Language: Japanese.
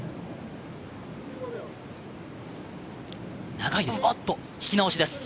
長いですね。